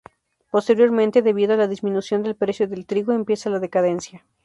Posteriormente, debido a la disminución del precio del trigo, empieza la decadencia.